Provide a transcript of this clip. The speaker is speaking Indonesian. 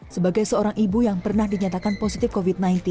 sebagai seorang ibu yang pernah dinyatakan positif covid sembilan belas